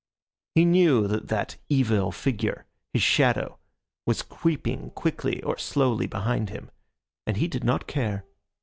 He knew that that evil figure, his shadow, was creeping quickly or slowly behind him, and he did not care.